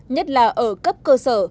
nhất là ở cấp cơ sở